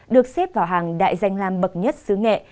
được xếp vào hàng đại danh làm bậc nhất sứ nghệ